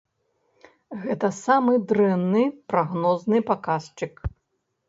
Гэта самы дрэнны прагнозны паказчык.